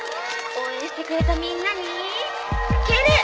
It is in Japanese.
応援してくれたみんなに敬礼！